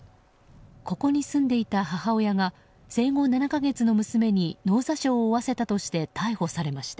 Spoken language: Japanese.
ここに住んでいた母親が生後７か月の娘に脳挫傷を負わせたとして逮捕されました。